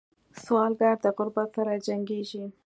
سوالګر د غربت سره جنګېږي